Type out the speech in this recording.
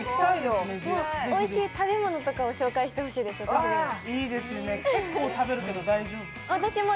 おいしい食べ物とかを紹介してほしいです、私にも。